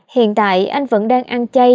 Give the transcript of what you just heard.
hiện tại anh vẫn đang ăn chay